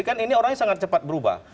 kan ini orangnya sangat cepat berubah